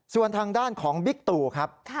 ส่วนทางด้านของบิ๊กตู่ครับ